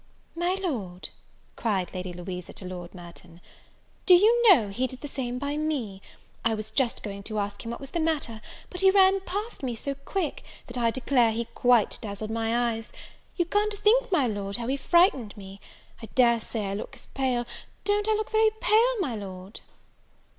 "My Lord," cried Lady Louisa to Lord Merton, "do you know he did the same by me? I was just going to ask him what was the matter; but he ran past me so quick, that I declare he quite dazzled my eyes. You can't think, my Lord, how he frightened me; I dare say I look as pale don't I look very pale, my Lord?"